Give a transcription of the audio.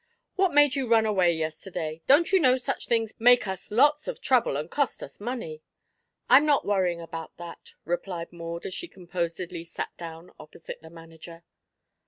"What made you run away yesterday? Don't you know such things make us lots of trouble and cost us money?" "I'm not worrying about that," replied Maud, as she composedly sat down opposite the manager.